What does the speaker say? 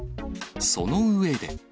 その上で。